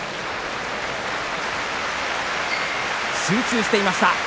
集中していました。